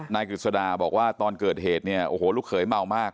กฤษฎาบอกว่าตอนเกิดเหตุเนี่ยโอ้โหลูกเขยเมามาก